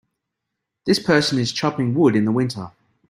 This person is chopping wood in the winter.